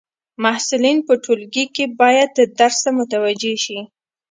محصلین په ټولګی کي باید درس ته متوجي سي.